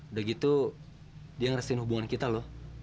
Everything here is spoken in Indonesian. udah gitu dia ngeresin hubungan kita loh